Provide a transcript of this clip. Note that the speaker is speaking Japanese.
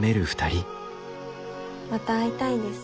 また会いたいです